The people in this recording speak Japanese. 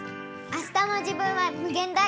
あしたの自分は無限大。